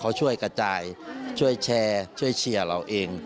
เขาช่วยกระจายช่วยแชร์ช่วยเชียร์เราเอง